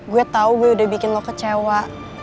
gue tau gue udah bikin lo kecewa